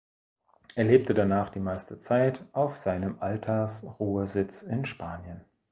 Er lebte danach die meiste Zeit auf seinem Altersruhesitz in Spanien.